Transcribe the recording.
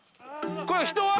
これ人は？